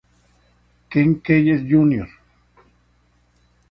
Ken Keyes Jr.